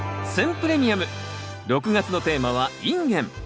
プレミアム６月のテーマは「インゲン」。